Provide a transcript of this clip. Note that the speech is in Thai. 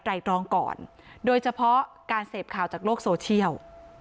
รองก่อนโดยเฉพาะการเสพข่าวจากโลกโซเชียล